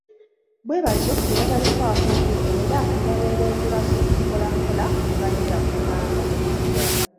Bwe batyo, ne batalufaako nnyo era ne balwebengulako mpolampola ne balemera ku Luganda.